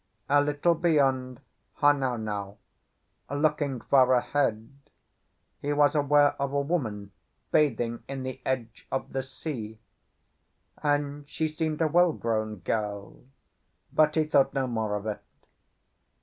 A little beyond Honaunau, looking far ahead, he was aware of a woman bathing in the edge of the sea; and she seemed a well grown girl, but he thought no more of it.